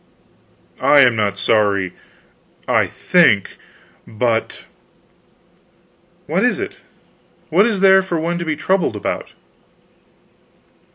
"I am not sorry, I think but " "What is it? What is there for one to be troubled about?"